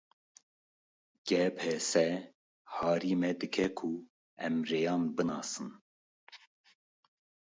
Gps harî me dike ku em rêyan binasin.